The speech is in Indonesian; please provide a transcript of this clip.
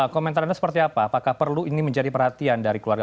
komentar anda seperti apa apakah perlu ini menjadi perhatian dari keluarga